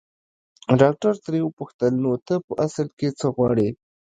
ډاکټر ترې وپوښتل نو ته په اصل کې څه غواړې.